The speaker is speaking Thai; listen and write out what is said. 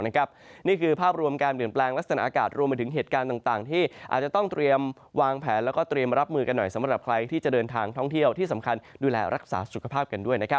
นี่คือภาพรวมการเปลี่ยนแปลงลักษณะอากาศรวมไปถึงเหตุการณ์ต่างที่อาจจะต้องเตรียมวางแผนแล้วก็เตรียมรับมือกันหน่อยสำหรับใครที่จะเดินทางท่องเที่ยวที่สำคัญดูแลรักษาสุขภาพกันด้วย